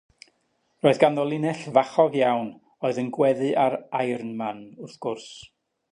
Roedd ganddo linell fachog iawn, oedd yn gweddu ar “Iron Man” wrth gwrs.